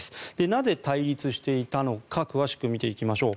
なぜ対立していたのか詳しく見ていきましょう。